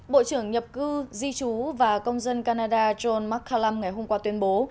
bộ trưởng nhập cư di chú và công dân canada john mccallum ngày hôm qua tuyên bố